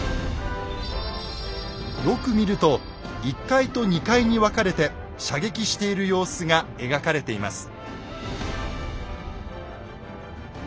よく見ると１階と２階に分かれて射撃している様子が描かれています。